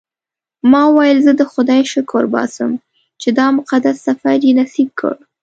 ما وویل زه د خدای شکر باسم چې دا مقدس سفر یې نصیب کړ.